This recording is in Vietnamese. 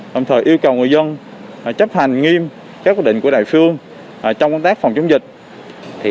đồng thời yêu cầu người dân chấp hành nghiêm các quyết định của đài phương trong công tác phòng chống dịch